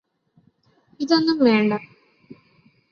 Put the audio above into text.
ഇതൊന്നും വേണ്ട